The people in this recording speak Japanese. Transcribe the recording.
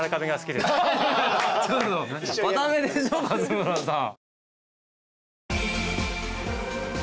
硬めでしょ勝村さん。